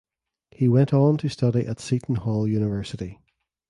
He went on to study at Seton Hall University.